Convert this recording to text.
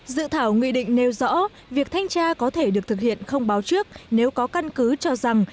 dự thảo nghị định nêu rõ việc thanh tra có thể được thực hiện không báo trước nếu có căn cứ cho rằng